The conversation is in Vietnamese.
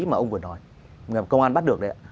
mà ông vừa nói công an bắt được đấy